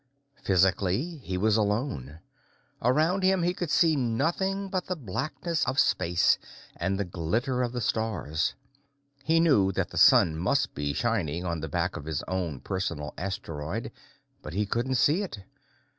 Physically, he was alone. Around him, he could see nothing but the blackness of space and the glitter of the stars. He knew that the sun must be shining on the back of his own personal asteroid, but he couldn't see it.